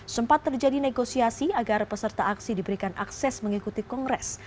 sempat terjadi negosiasi agar peserta aksi diberikan akses mengikuti kongres